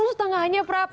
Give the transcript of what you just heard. oh tangahnya prab